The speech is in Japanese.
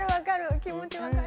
気持ち分かる。